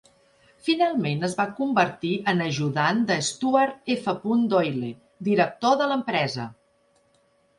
Finalment es va convertir en ajudant de Stuart F. Doyle, director de l'empresa.